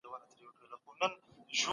ګډ ژوند خلک یووالي ته مجبوروي.